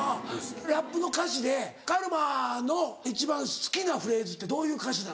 ラップの歌詞でカルマの一番好きなフレーズってどういう歌詞なの？